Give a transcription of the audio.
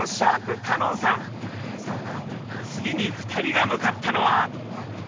次に２人が向かったのは。